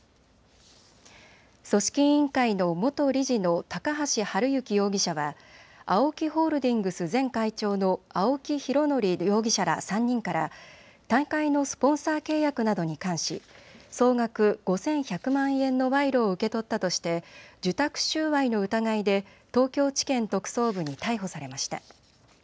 組織委員会の元理事の高橋治之容疑者はＡＯＫＩホールディングス前会長の青木拡憲容疑者ら３人から大会のスポンサー契約などに関し総額５１００万円の賄賂を受け取ったとして受託収賄の疑いで東京地検特捜部に逮捕されました。